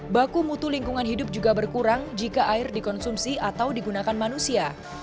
baku mutu lingkungan hidup juga berkurang jika air dikonsumsi atau digunakan manusia